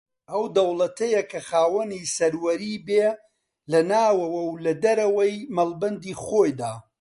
ئەو دەوڵەتەیە کە خاوەنی سەروەری بێ لە ناوەوە و لە دەرەوەی مەڵبەندی خۆیدا